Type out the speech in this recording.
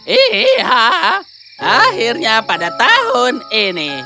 iya akhirnya pada tahun ini